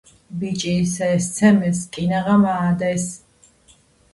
ბიჭი ისე სცემეს, კინაღამ აადეს.